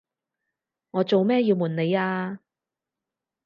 我做咩要暪你呀？